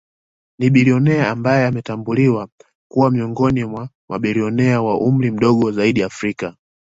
Ni bilionea ambaye ametambuliwa kuwa miongoni mwa mabilionea wa umri mdogo zaidi Afrika